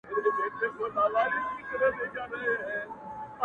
ساقي به وي خُم به لبرېز وي حریفان به نه وي!.